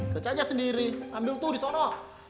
kecanya sendiri ambil tuh di sana